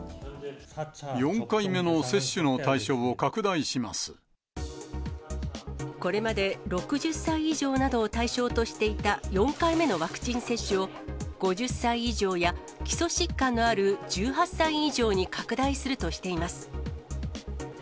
４回目の接種の対象を拡大しこれまで、６０歳以上などを対象としていた４回目のワクチン接種を、５０歳以上や、基礎疾患のある１８歳以上に拡大するとしています。